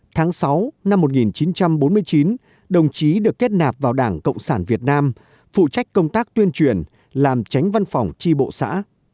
tháng sáu năm một nghìn chín trăm bốn mươi chín đồng chí được kết nạp vào đảng cộng sản việt nam phụ trách công tác tuyên truyền làm tránh văn phòng tri bộ xã